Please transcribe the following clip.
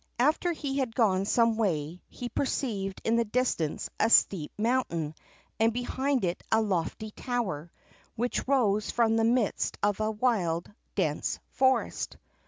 After he had gone some way, he perceived in the distance a steep mountain, and behind it a lofty tower, which rose from the midst of a wild, dense forest.